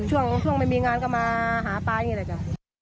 ช่วงไม่มีงานก็มาหาปลานี่แหละจ้ะ